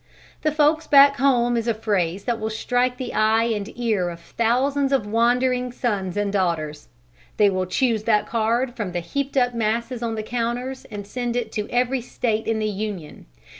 "The folks back home" is a phrase that will strike the eye and ear of thousands of wandering sons and daughters. They will choose that card from the heaped up masses on the counters and send it to every State in the Union.